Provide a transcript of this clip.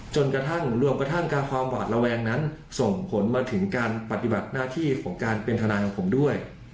จนกระทั่งรวมกระทั่งกับความหวาดระแวงนั้นส่งผลมาถึงการปฏิบัติหน้าที่ของการเป็นทนายของผมด้วย